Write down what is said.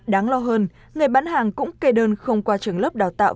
đáng lo hơn người bán hàng cũng kê đơn không qua trường lớp đào tạo